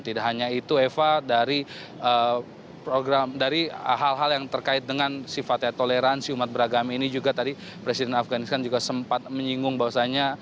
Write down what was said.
tidak hanya itu eva dari hal hal yang terkait dengan sifatnya toleransi umat beragama ini juga tadi presiden afganistan juga sempat menyinggung bahwasannya